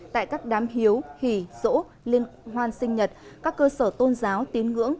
tại các đám hiếu hỉ rỗ liên hoan sinh nhật các cơ sở tôn giáo tiến ngưỡng